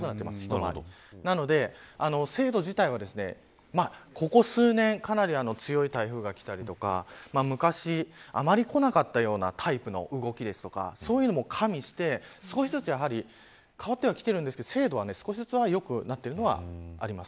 なので、精度自体はここ数年かなり強い台風が来たりとか昔、あまり来なかったようなタイプの動きですとかそういうのも加味して少しずつやはり変わってはきてるんですが精度は少しずつは良くなっているのはあります。